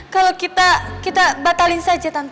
kalau kita batalin saja